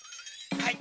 はい。